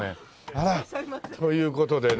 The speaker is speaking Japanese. あらという事でね